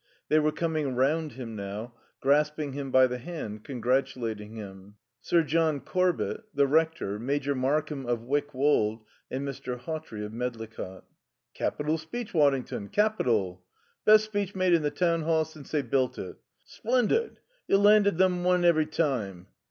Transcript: They were coming round him now, grasping him by the hand, congratulating him: Sir John Corbett, the Rector, Major Markham of Wyck Wold and Mr. Hawtrey of Medlicott. "Capital speech, Waddington, capital." "Best speech made in the Town Hall since they built it." "Splendid. You landed them one every time."